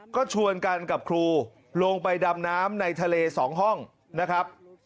ก็ชวนกันกับครูลงไปดำน้ำในทะเล๒ห้องนะครับ